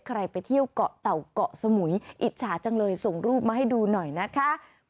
ไปเที่ยวเกาะเต่าเกาะสมุยอิจฉาจังเลยส่งรูปมาให้ดูหน่อยนะคะ